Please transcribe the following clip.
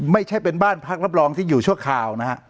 ไม่ใช่เป็นบ้านพักรับรองที่อยู่ชั่วคราวนะฮะ